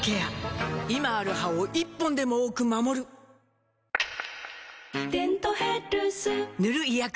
今ある歯を１本でも多く守る「デントヘルス」塗る医薬品も